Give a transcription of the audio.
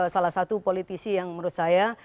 salah satu politisi yang menurut saya